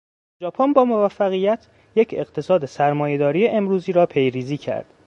ژاپن با موفقیت، یک اقتصاد سرمایهداری امروزی را پیریزی کرد.